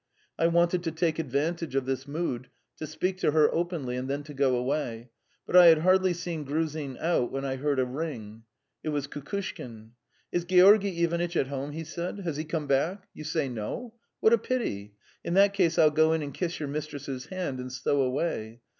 I wanted to take advantage of this mood to speak to her openly and then to go away, but I had hardly seen Gruzin out when I heard a ring. It was Kukushkin. "Is Georgy Ivanitch at home?" he said. "Has he come back? You say no? What a pity! In that case, I'll go in and kiss your mistress's hand, and so away.